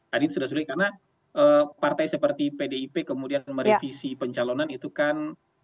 hari ini sudah sulit karena partai seperti pdip kemudian merevisi pencalonan itu kan